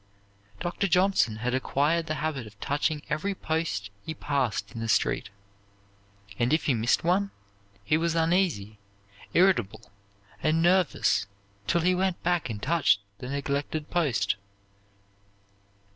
Dr. Johnson had acquired the habit of touching every post he passed in the street; and, if he missed one, he was uneasy, irritable, and nervous till he went back and touched the neglected post.